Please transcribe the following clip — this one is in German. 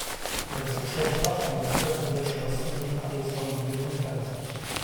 Über das Geschlecht Wachtmeister ging das Schloss an die Adelsfamilie von Fersen.